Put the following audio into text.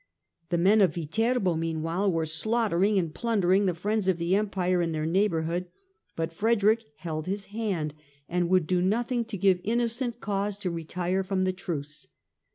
The men of Viterbo, meanwhile, were slaughtering and plundering the friends of the Empire in their neighbourhood, but Frederick held his hand and would do nothing to give Innocent cause to retire from the truce.